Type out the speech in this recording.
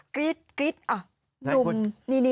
กรี๊ดนุ่ม